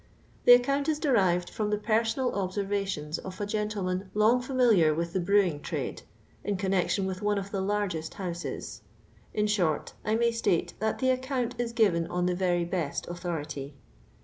The account is derived from the personal observations of a gentleman long familiar with the brewing LONDON LABOUR AND THE LONDON POOR. 827 trade, in connection with one of the largest houses. In short, I may state that the account is given on the very best authority.